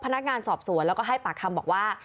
พนักงานสอบสวนแล้วก็ให้ปากคำบอกว่า